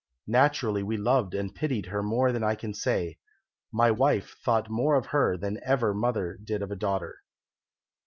Naturally we loved and pitied her more than I can say. My wife thought more of her than ever mother did of a daughter.